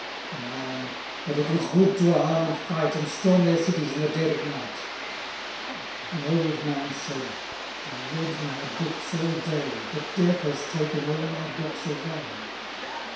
A man, "But it was good to arm and fight And storm their cities in the dead of night." An old man said, "I read my books all day, But death has taken all my books away."